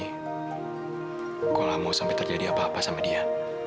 kalau mau sampai terjadi apa apa sama dia